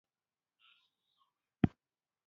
به نجونې په معبدونو کې اوسېدې